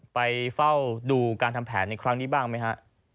ไปเฝ้าดูการทำแผนในครั้งนี้บ้างไหมฮะ